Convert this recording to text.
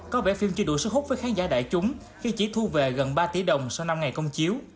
có vẻ phim chưa đủ sức hút với khán giả đại chúng khi chỉ thu về gần ba tỷ đồng sau năm ngày công chiếu